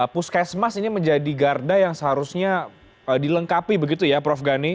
puskesmas ini menjadi garda yang seharusnya dilengkapi begitu ya prof gani